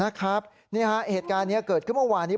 นี่ฮะเหตุการณ์นี้เกิดขึ้นเมื่อวานนี้